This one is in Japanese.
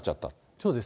そうです。